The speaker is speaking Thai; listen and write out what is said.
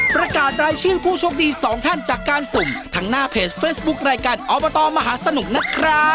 ประกาศรายชื่อผู้โชคดีสองท่านจากการสุ่มทางหน้าเพจเฟซบุ๊ครายการอบตมหาสนุกนะครับ